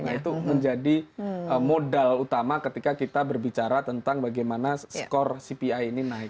nah itu menjadi modal utama ketika kita berbicara tentang bagaimana skor cpi ini naik